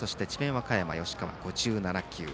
和歌山の吉川は５７球。